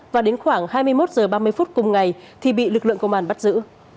và đến khoảng hai mươi một h ba mươi phút cùng ngày thì bị lực lượng công an bắt giữ